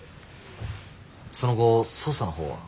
その後捜査のほうは？